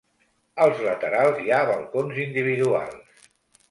Als laterals hi ha balcons individuals.